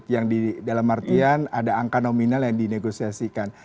yang di dalam artian ada angka nominal yang dinegosiasikan